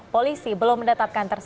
polisi belum mendatatkan tersedia